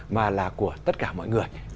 mà là của tất cả mọi người